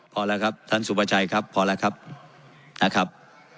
พอแล้วครับท่านสุภาชัยครับพอแล้วครับนะครับ